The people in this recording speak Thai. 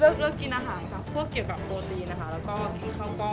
เพราะเกี่ยวกับปกตินะค่ะแล้วก็กินข้าวก้อง